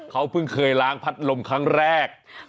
เขาเพิ่งเคยล้างพัดลมครั้งแรก